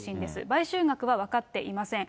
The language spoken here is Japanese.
買収額は分かっていません。